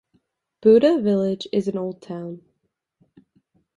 Bhutta Village is an old town.